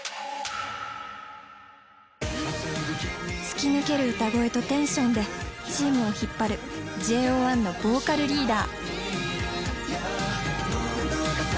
突き抜ける歌声とテンションでチームを引っ張るＪＯ１のボーカルリーダー。